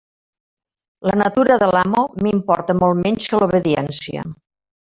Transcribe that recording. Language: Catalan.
La natura de l'amo m'importa molt menys que l'obediència.